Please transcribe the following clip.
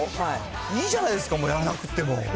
いいじゃないですか、もうやんなくっても。